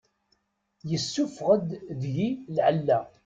Yessufeɣ-d deg-i lεella.